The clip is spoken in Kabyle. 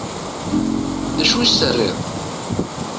D acu i s-terriḍ?